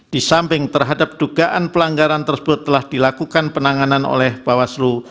di samping terhadap dugaan pelanggaran tersebut telah dilakukan penanganan oleh bawaslu